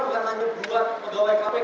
bukan hanya dua pegawai kpk